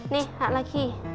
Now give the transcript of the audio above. nih hak lagi